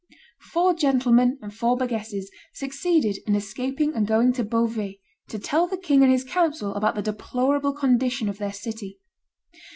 Four gentlemen and four burgesses succeeded in escaping and going to Beauvais, to tell the king and his council about the deplorable condition of their city.